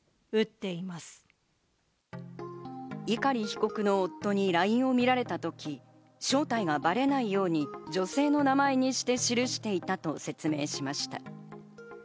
碇被告の夫にＬＩＮＥを見られたとき、正体がバレないように女性の名前にして記していたと説明しました。